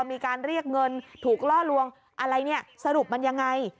มีการเรียกเงินถูกล่อลวงอะไรเนี่ยสรุปมันยังไง